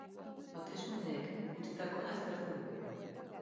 Hauteskundeek utzitakoa aztertu dugu.